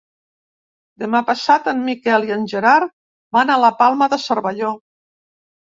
Demà passat en Miquel i en Gerard van a la Palma de Cervelló.